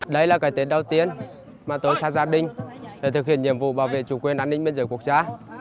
đây là cái tết đầu tiên mà tôi ra gia đình để thực hiện nhiệm vụ bảo vệ chủ quyền an ninh biên giới quốc gia